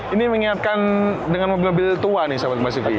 ini mengingatkan dengan mobil mobil tua nih sahabat mbak siti